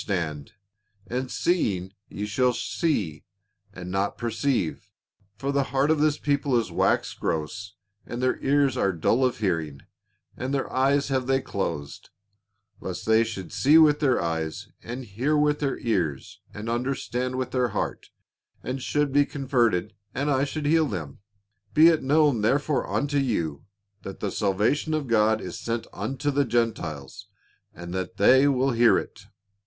445 stand ; and seeing ye shall see, and not perceive : for the heart of this people is waxed gross, and their ears are dull of hearing, and their eyes have they closed ; lest they should see with their eyes, and hear with their ears, and understand with their heart, and should be converted, and I should heal them. Be it known therefore unto you, that the salvation of God is sent unto the Gentiles, and that they will hear it."